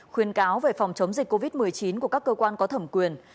khuyên cáo về phòng chống dịch covid một mươi chín của các cơ quan có thẩm quyền